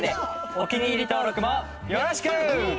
お気に入り登録もよろしく！